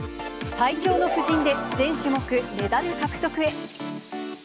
最強の布陣で、全種目メダル獲得へ。